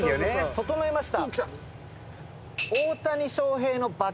整いました。